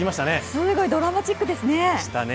すごくドラマチックでした。